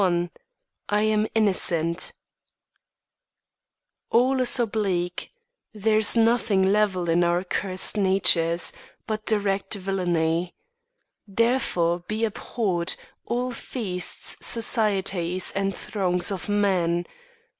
XXV "I AM INNOCENT" All is oblique, There's nothing level in our cursed natures, But direct villainy. Therefore, be abhorred All feasts, societies, and throngs of men!